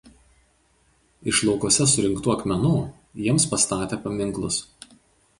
Iš laukuose surinktų akmenų jiems pastatė paminklus.